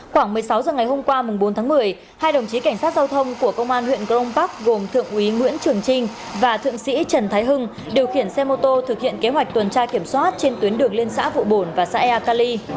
khoảng một mươi sáu h ngày hôm qua bốn tháng một mươi hai đồng chí cảnh sát giao thông của công an huyện crong park gồm thượng úy nguyễn trường trinh và thượng sĩ trần thái hưng điều khiển xe mô tô thực hiện kế hoạch tuần tra kiểm soát trên tuyến đường liên xã vụ bổn và xã ea cali